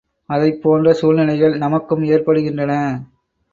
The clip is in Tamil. அதைப்போன்ற சூழ்நிலைகள் நமக்கும் ஏற்படுகின்றன.